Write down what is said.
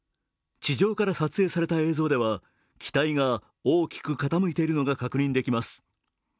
地上から撮影された映像では機体が大きく傾いているのが確認できます。